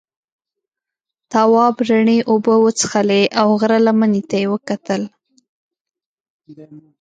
تواب رڼې اوبه وڅښلې او غره لمنې ته یې وکتل.